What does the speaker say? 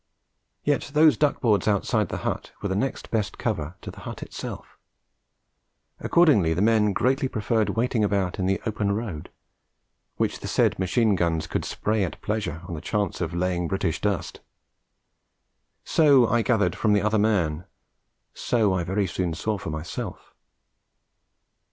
Yet those duck boards outside the hut were the next best cover to the hut itself; accordingly the men greatly preferred waiting about in the open road, which the said machine guns could spray at pleasure on the chance of laying British dust. So I gathered from the other man: so I very soon saw for myself.